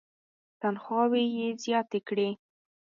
تنخواوې یې زیاتې کړې.